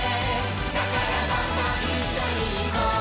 「だからどんどんいっしょにいこう」